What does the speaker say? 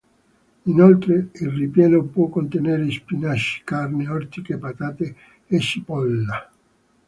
Inoltre, il ripieno può contenere spinaci, carne, ortiche, patate e cipolla.